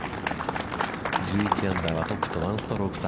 １１アンダーはトップと１ストローク差。